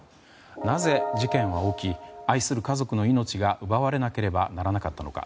なぜ事件は起き愛する家族の命が奪われなければならなかったのか。